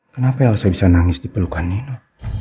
kenapa elsa bisa nangis di pelukan nino